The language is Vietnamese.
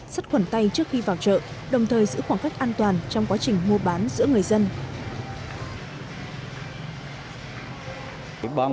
sắt khuẩn tay trước khi vào chợ đồng thời giữ khoảng cách an toàn trong quá trình mua bán giữa người dân